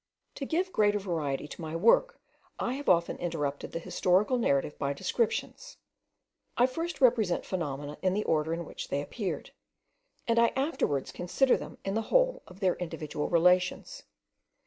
To give greater variety to my work, I have often interrupted the historical narrative by descriptions. I first represent phenomena in the order in which they appeared; and I afterwards consider them in the whole of their individual relations.